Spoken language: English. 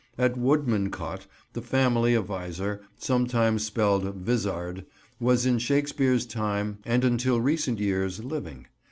At Woodmancote the family of Visor, sometimes spelled "Vizard" was in Shakespeare's time and until recent years living.